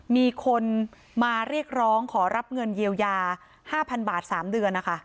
มีคนมาเรียกร้องขอรับเงินเยียวยา๕๐๐๐บาท๓เดือนนะคะ